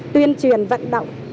tuyên truyền vận động